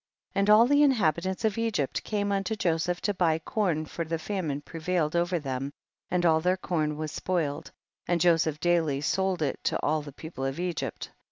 29. And all the inhabitants of Egypt came unto Joseph to buy corn, for the famine prevailed over them, and all their corn was spoiled, and Joseph daily sold it to all the people of Egypt.